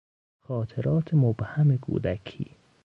خاطرات مبهم کودکی